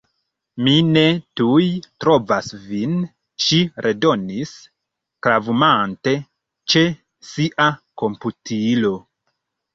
Mi ne tuj trovas vin, ŝi redonis, klavumante ĉe sia komputilo.